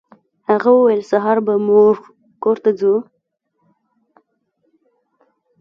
هغه وویل سهار به زموږ کور ته ځو.